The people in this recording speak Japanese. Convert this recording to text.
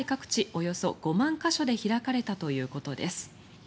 およそ５万か所で開かれたということです。